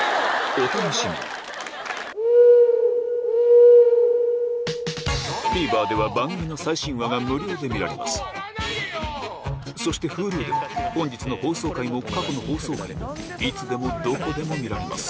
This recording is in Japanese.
お楽しみにＴＶｅｒでは番組の最新話が無料で見られますそしてＨｕｌｕでは本日の放送回も過去の放送回もいつでもどこでも見られます